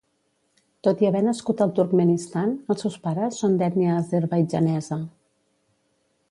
Tot i haver nascut al Turkmenistan, els seus pares són d'ètnia azerbaidjanesa.